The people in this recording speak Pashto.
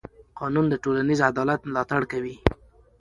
قانون د ټولنیز عدالت ملاتړ کوي.